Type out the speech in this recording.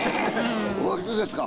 おいくつですか？